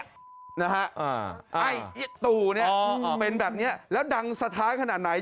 ไอตู่เป็นแบบนี้แล้วดังสะท้าขนาดไหน